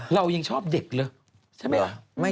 เรายังชอบเด็กเลย